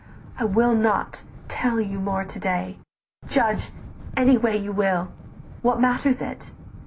I will not tell you more to day, Judge any way you will: what matters it?